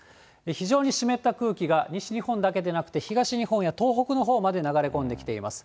非常に湿った空気が西日本だけでなくて、東日本や東北のほうまで流れ込んできています。